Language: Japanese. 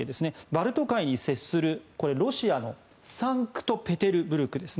バルト海に接するロシアのサンクトペテルブルク